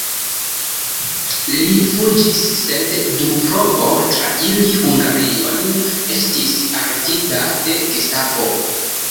Li fuĝis, sed dum provo trairi Hungarion estis arestita de Gestapo.